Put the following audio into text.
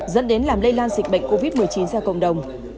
dẫn đến làm lây lan dịch bệnh covid một mươi chín ra cộng đồng